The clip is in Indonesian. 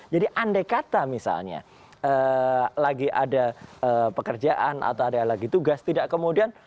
jadi andai kata misalnya lagi ada pekerjaan atau ada lagi tugas tidak kemudian